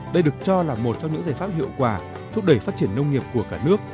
đây được cho là một trong những giải pháp hiệu quả thúc đẩy phát triển nông nghiệp của cả nước